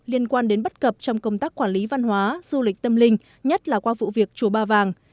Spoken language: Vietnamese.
liên quan đến bất cập trong công tác quản lý văn hóa du lịch tâm linh nhất là qua vụ việc chùa ba vàng